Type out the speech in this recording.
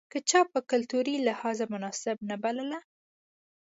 که چا په کلتوري لحاظ مناسبه نه بلله.